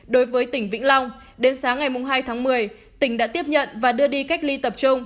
đối với tỉnh vĩnh long đến sáng ngày hai tháng một mươi tỉnh đã tiếp nhận và đưa đi cách ly tập trung